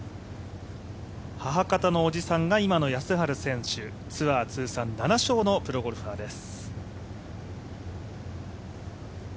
母方のおじさんが今野康晴選手、ツアー通算７勝のプロゴルファーです。